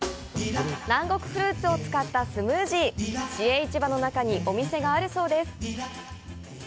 南国フルーツを使ったスムージー市営市場の中にお店があるそうです。